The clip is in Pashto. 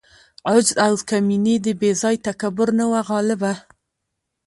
عجز او کمیني د بې ځای تکبر نه وه غالبه.